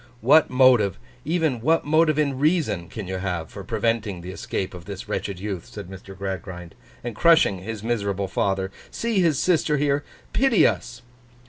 'What motive—even what motive in reason—can you have for preventing the escape of this wretched youth,' said Mr. Gradgrind, 'and crushing his miserable father? See his sister here. Pity us!